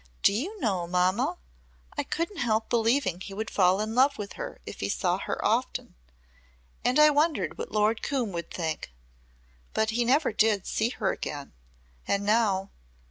"Do you know, mamma, I couldn't help believing he would fall in love with her if he saw her often and I wondered what Lord Coombe would think. But he never did see her again. And now